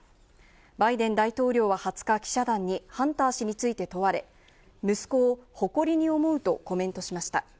バイデン大統領は２０日、記者団にハンター氏について問われ、息子を誇りに思うとコメントしました。